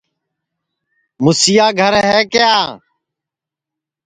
موسیا گھر ہے کیا